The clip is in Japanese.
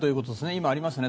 今ありましたね。